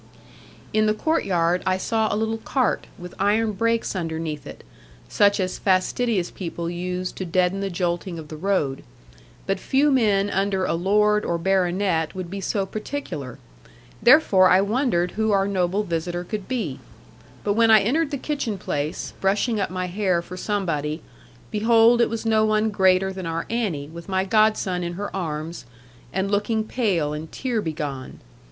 In the courtyard I saw a little cart, with iron brakes underneath it, such as fastidious people use to deaden the jolting of the road; but few men under a lord or baronet would be so particular. Therefore I wondered who our noble visitor could be. But when I entered the kitchen place, brushing up my hair for somebody, behold it was no one greater than our Annie, with my godson in her arms, and looking pale and tear begone.